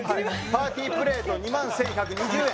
パーティープレート２万１１２０円